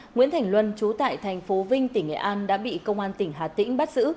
nguyễn thành luân trú tại thành phố vinh tỉnh nghệ an đã bị công an tỉnh hà tĩnh bắt giữ